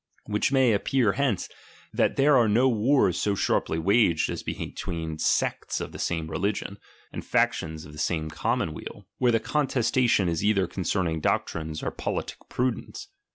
Which may appear hence, that there are no wars so sharply waged as between sects of the same reli gion, and factions of the same commonweal, where reU i here J I Prom the appe the contestation is either concerning doctrines or politic prudence.